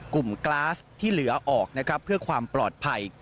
กลาสที่เหลือออกนะครับเพื่อความปลอดภัย